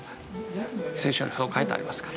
聖書にそう書いてありますから。